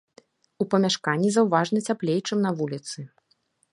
У памяшканні заўважна цяплей, чым на вуліцы.